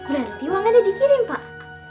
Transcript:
berarti uangnya dikirim pak